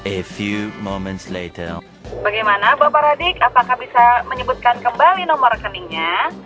bagaimana bapak radik apakah bisa menyebutkan kembali nomor rekeningnya